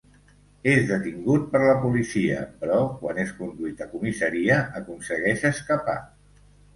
És detingut per la policia, però quan és conduït a comissaria, aconsegueix escapar.